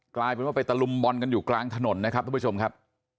กลายเป็นว่าไปตะลุมบอลกันอยู่กลางถนนนะครับทุกผู้ชมครับ